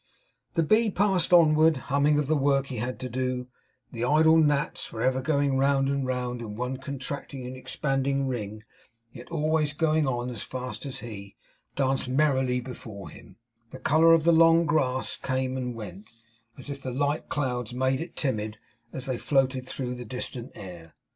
The bee passed onward, humming of the work he had to do; the idle gnats for ever going round and round in one contracting and expanding ring, yet always going on as fast as he, danced merrily before him; the colour of the long grass came and went, as if the light clouds made it timid as they floated through the distant air.